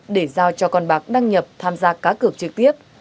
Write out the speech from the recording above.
để giao cho con bạc đăng nhập tham gia cá cược trực tiếp